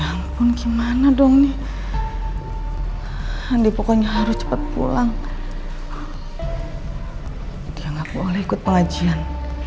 ya ampun gimana dong nih andi pokoknya harus cepat pulang dan aku boleh ikut pengajian